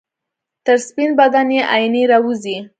تر سپین بدن یې آئینې راوځي